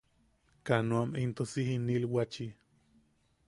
Kanoam into si jinilwachi.